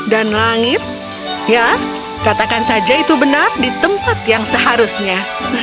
dan langit ya katakan saja itu benar di tempat yang seharusnya